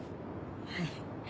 はい。